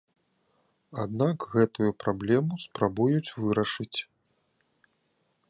Аднак гэтую праблему спрабуюць вырашыць.